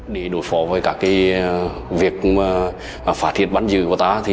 để đối phó với việc phá thiệt bắn dưới của ta